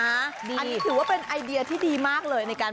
อันนี้ถือว่าเป็นไอเดียที่ดีมากเลยในการ